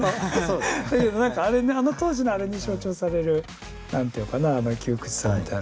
だけどあの当時のあれに象徴される何て言うかなあの窮屈さみたいな。